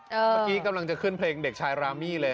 เมื่อกี้กำลังจะขึ้นเพลงเด็กชายรามี่เลย